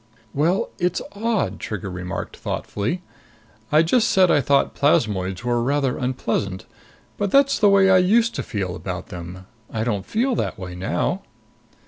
"Well, it's odd!" Trigger remarked thoughtfully. "I just said I thought plasmoids were rather unpleasant. But that's the way I used to feel about them. I don't feel that way now."